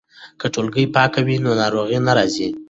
که ټولګې پاکه وي نو ناروغي نه راځي.